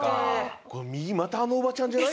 これ右またあのおばちゃんじゃない？